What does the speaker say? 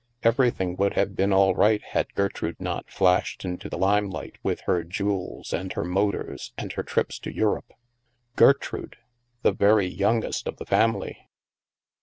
Everything would have been all right had Ger trude not flashed into the limelight with her jewels, and her motors, and her trips to Europe. Gertrude ! The very youngest of the family